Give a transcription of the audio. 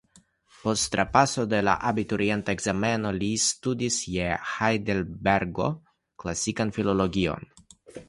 Post trapaso de la abiturienta ekzameno li studis je Hajdelbergo klasikan filologion.